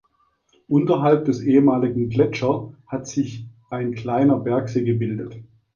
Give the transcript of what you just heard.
Unterhalb des ehemaligen Gletscher hat sich ein kleiner Bergsee gebildet.